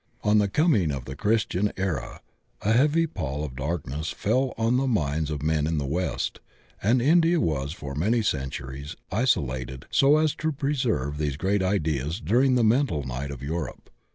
On the coming of the Christian era a heavy pall of darkness fell on the minds of men in the West, and India was for many centuries iso lated so as to preserve these great ideas during Ae mental night of Europe.